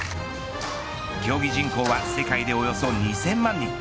競技人口は世界でおよそ２０００万人。